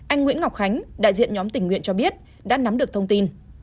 anh nguyễn ngọc khánh đại diện nhóm tình nguyện cho biết đã nắm được thông tin